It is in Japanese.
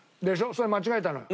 それ間違えたのよ。